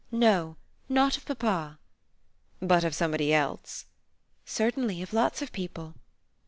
"No, not of papa." "But of somebody else?" "Certainly, of lots of people."